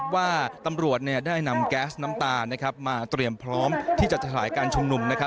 ว่าตำรวจได้นำแก๊สน้ำตามาเตรียมพร้อมที่จะสลายการชุมนุม